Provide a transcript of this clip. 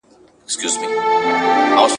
خو بلوړ که مات سي ډیري یې ټوټې وي !.